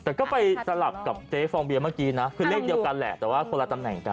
แต่ก็ไปสลับกับเจ๊ฟองเบียเมื่อกี้นะคือเลขเดียวกันแหละแต่ว่าคนละตำแหน่งกัน